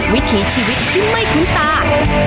วิถีชีวิตที่ไม่คุ้นตา